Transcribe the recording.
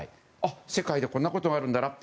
世界でこんなことがあるんだなと。